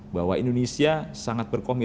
bahwa indonesia sangat berkomitmen